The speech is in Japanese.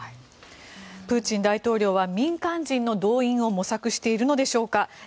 プーチン大統領は民間人の動員を模索しているのでしょうか。